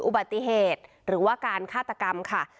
อุบัติเหตุหรือว่าการฆาตกรรมค่ะ